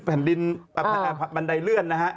อ่าบันไดเลื่อนนะฮะ